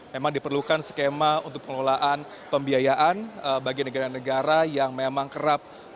memang diperlukan skema untuk pengelolaan pembiayaan bagi negara negara yang memang kerap